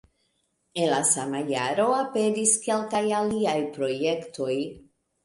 En la sama jaro aperis kelkaj aliaj projektoj.